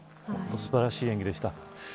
本当に素晴らしい演技でした。